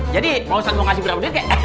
jadi mau ustadz mau kasih berapa bedit ke